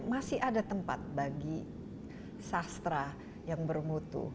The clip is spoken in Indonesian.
masih ada tempat bagi sastra yang bermutu